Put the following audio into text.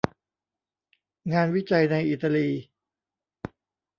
งานวิจัยในอิตาลี